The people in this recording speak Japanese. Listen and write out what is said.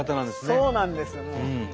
そうなんですもう。